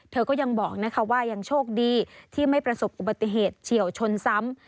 เธอก็ยังบอกว่ายังโชคดีที่ไม่ประสบกับประเทศเฉียวชนซ้ำ